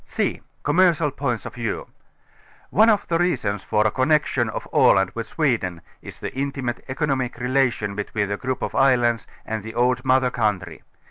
c) Commercial Points of Vietv. One of the reasons for a connection of Aland with Swe den, is the intimate economic relation between the grouiJ of islands and the old mother country.